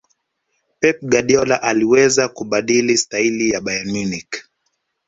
pep guardiola aliweza kubadili staili ya bayern munich